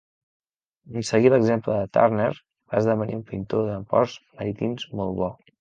En seguir l'exemple de Turner, va esdevenir un pintor de ports marítims molt bo.